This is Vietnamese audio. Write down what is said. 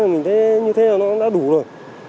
mình thấy như thế là nó đã đủ rồi